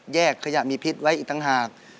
แยกขยะมีพิษไว้อีกตั้งหาก